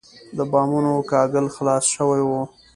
د بامونو کاهګل خلاص شوی و.